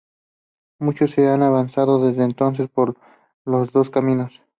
Mucho se ha avanzado desde entonces, por los dos caminos.